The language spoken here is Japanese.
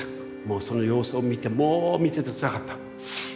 その様子を見てもう見ててつらかった。